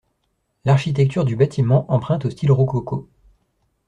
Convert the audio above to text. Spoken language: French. L'architecture du bâtiment emprunte au style rococo.